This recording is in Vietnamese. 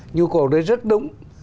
nhu cầu đấy rất đúng